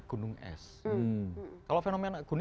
gunung es kalau fenomena